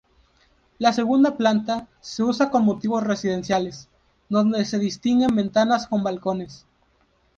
La segunda planta, se usa con motivos residenciales, donde se distinguen ventanas con balcones.